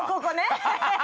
ハハハハ！